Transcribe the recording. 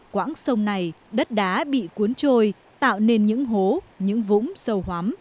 quảng sông này đất đá bị cuốn trôi tạo nên những hố những vũng sâu hóm